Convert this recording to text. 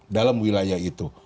dalam wilayah itu